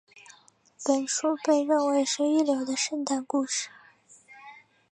本书被认为是一流的圣诞故事。